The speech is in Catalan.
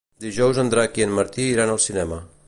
Dijous en Drac i en Martí iran al cinema.